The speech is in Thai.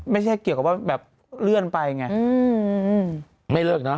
ไม่ใช่เกี่ยวกับว่าเลื่อนไปอย่างนี้